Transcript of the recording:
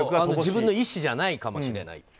自分の意思じゃないかもしれない。